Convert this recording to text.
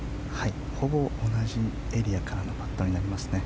ほぼ同じエリアからのパットになりますね。